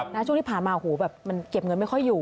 ช่วงที่ผ่านมาหูแบบมันเก็บเงินไม่ค่อยอยู่